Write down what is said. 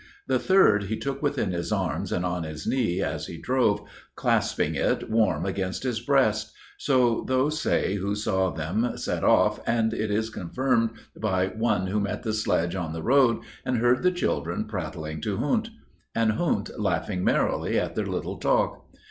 The third he took within his arms and on his knee, as he drove, clasping it warm against his breast so those say who saw them set off, and it is confirmed by one who met the sledge on the road, and heard the children prattling to Hund, and Hund laughing merrily at their little talk.